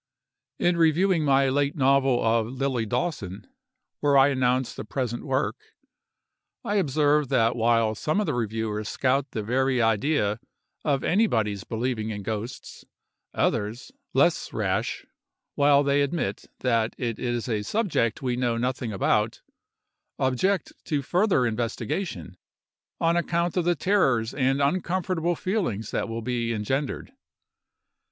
In reviewing my late novel of "Lilly Dawson," where I announce the present work, I observe that while some of the reviewers scout the very idea of anybody's believing in ghosts, others, less rash, while they admit that it is a subject we know nothing about, object to further investigation, on account of the terrors and uncomfortable feelings that will be engendered.